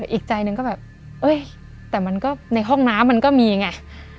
อีกใจหนึ่งก็แบบเอ้ยแต่มันก็ในห้องน้ำมันก็มีไง